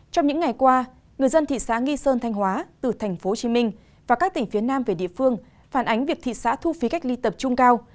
trong những ngày qua người dân thị xã nghi sơn thanh hóa từ tp hcm và các tỉnh phía nam về địa phương phản ánh việc thị xã thu phí cách ly tập trung cao